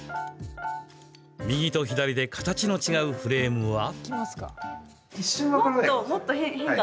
右と左で形の違うフレームは？